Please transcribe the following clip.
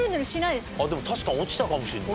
あっでも確かに落ちたかもしれない。